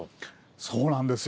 そうなんですよ。